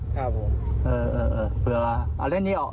ก็ไม่อะไรหรี่เหรอ